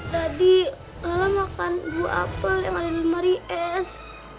tadi kalau makan buah apel yang ada di lemari es